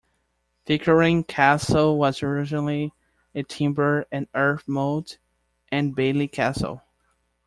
Pickering castle was originally a timber and earth motte and bailey castle.